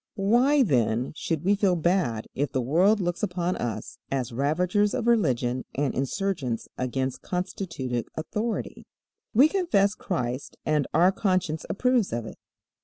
Why, then, should we feel bad if the world looks upon us as ravagers of religion and insurgents against constituted authority? We confess Christ and our conscience approves of it.